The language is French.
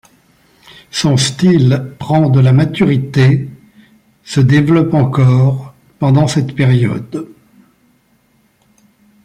Son style prend de la maturité, se développe encore, pendant cette période.